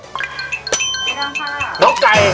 ไอ้ดำค่ะ